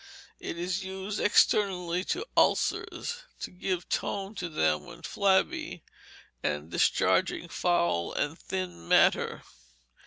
It is used externally to ulcers, to give tone to them when flabby, and discharging foul and thin matter.